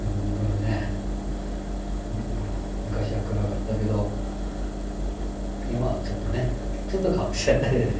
ほんとにね昔は暗かったけど今はちょっとねちょっと変わってきた。